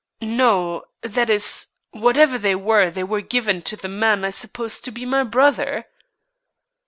"No, that is, whatever they were, they were given to the man I supposed to be my brother."